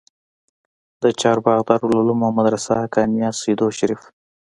د چارباغ دارالعلوم او مدرسه حقانيه سېدو شريف